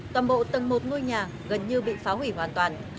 toàn bộ tầng một ngôi nhà gần như bị phá hủy hoàn toàn